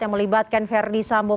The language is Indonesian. yang melibatkan ferdis sambo